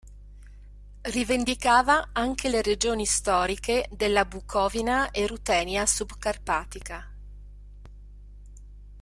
Rivendicava anche le regioni storiche della Bucovina e Rutenia subcarpatica.